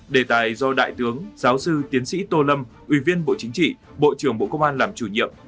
đề tài do đại tướng giáo sư tiến sĩ tô lâm ủy viên bộ chính trị bộ trưởng bộ công an làm chủ nhiệm